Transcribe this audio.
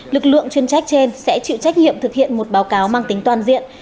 lực lượng chuyên trách trên sẽ chịu trách nhiệm thực hiện một báo cáo mang tính toàn diện